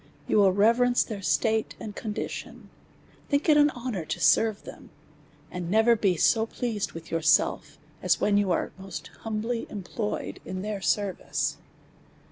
You will reverence their estate and condition, think it an honoiu'to serve them, and never be so pleased with yourselves as when you are most humbly employed in their service.